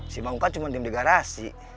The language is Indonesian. si maung kan cuma diem di garasi